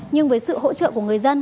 nhưng với sự hỗ trợ của người dân